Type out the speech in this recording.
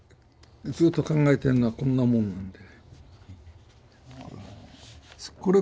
ずっと考えてんのはこんなもんなんで。